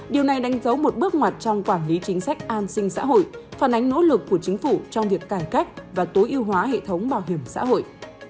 điều này đánh dấu một bước ngoặt trong quản lý chính sách an sinh xã hội phản ánh nỗ lực của chính phủ trong việc cải cách và tối ưu hóa hệ thống bảo hiểm xã hội